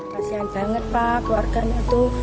kasian banget pak keluarganya itu